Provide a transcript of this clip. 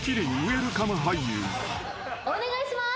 お願いします。